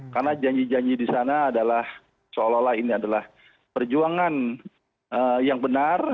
karena janji janji di sana adalah seolah olah ini adalah perjuangan yang benar